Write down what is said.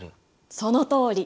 そのとおり。